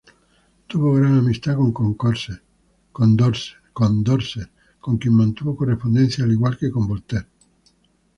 Tuvo gran amistad con Condorcet, con quien mantuvo correspondencia, al igual que con Voltaire.